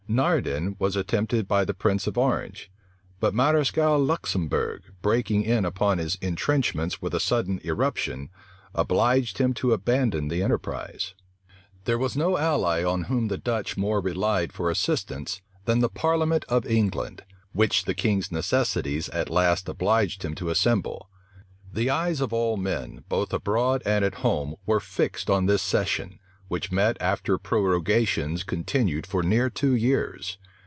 Naerden was attempted by the prince of Orange; but Mareschal Luxembourg, breaking in upon his intrenchments with a sudden irruption, obliged him to abandon the enterprise. {1673.} There was no ally on whom the Dutch more relied for assistance, than the parliament of England, which the king's necessities at last obliged him to assemble. The eyes of all men, both abroad and at home, were fixed on this session, which met after prorogations continued for near two years.